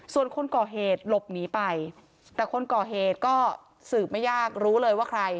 ส่วนคนก่อเหตุหลบหนีไปแต่คนก่อเหตุก็สืบไม่ยากรู้เลยว่าใคร